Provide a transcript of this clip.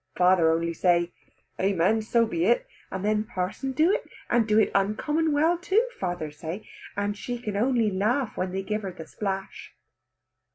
Father only say "Amen, so be it;" and then parson do it, and do it uncommon well too, father say. and she only laugh when they give her the splash.